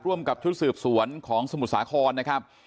ร่วมกับชุดสืบสวนของสมุทรสาครนะครับ